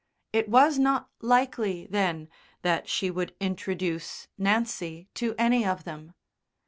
It was not likely, then, that she would introduce Nancy to any of them.